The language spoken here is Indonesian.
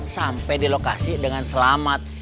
sampai di lokasi dengan selamat